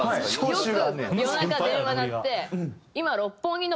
よく夜中電話鳴って「今」。